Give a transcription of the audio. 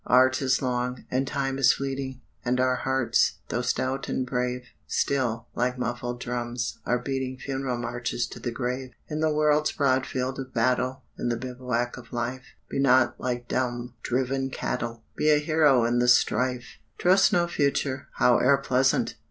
Art is long, and Time is fleeting, And our hearts, though stout and brave, Still, like muffled drums, are beating Funeral marches to the grave. In the world's broad field of battle, In the bivouac of Life, Be not like dumb, driven cattle! Be a hero in the strife! Trust no Future, howe'er pleasant!